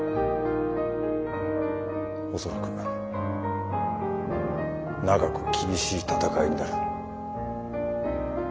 恐らく長く厳しい闘いになる。